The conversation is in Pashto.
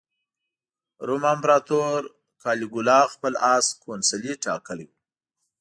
روم امپراطور کالیګولا خپل اس کونسلي ټاکلی و.